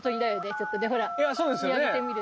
ちょっとねほら言われてみると。